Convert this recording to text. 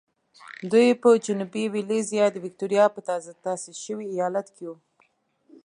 دوی په جنوبي وېلز یا د ویکټوریا په تازه تاسیس شوي ایالت کې وو.